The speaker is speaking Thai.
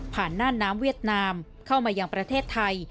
น่านน้ำเวียดนามเข้ามายังประเทศไทย